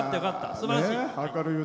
すばらしい。